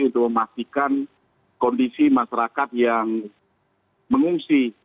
untuk memastikan kondisi masyarakat yang mengungsi